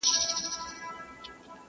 میاشتي ووتې طوطي هسی ګونګی وو!!